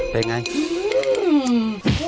เป็นอย่างไร